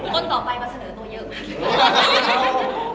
คนต่อไปมาเสนอตัวเยอะ